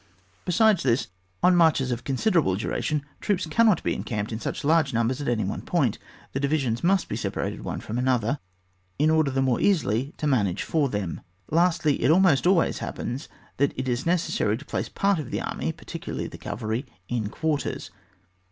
Besides this, on marches of considerable duration troops cannot be encamped in such large numbers at any one point ; the divisions must be separated from one another, in order the more easily to manage for them. Lastly, it almost always happens that it is necessary to place part of the army, particularly the cavalry, in. quarters.